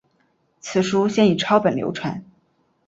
此书先以抄本流传。